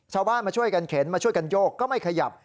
ชาวบ้านมาช่วยกันเข็นมาช่วยกันโยกก็ไม่ขยับ